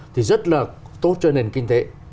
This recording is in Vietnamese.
thì rất là tốt cho nền kinh tế